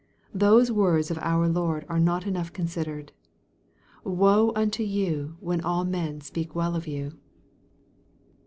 Those words of our Lord are not enough considered " Woe unto you when all men speak well of you."